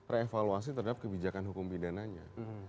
reevaluasi terhadap kebijakan hukum midananya